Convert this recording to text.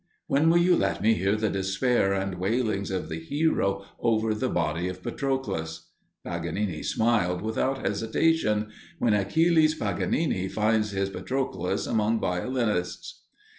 When will you let me hear the despair and wailings of the hero over the body of Patroclus?" Paganini replied, without hesitation, "When Achilles Paganini finds his Patroclus among violinists."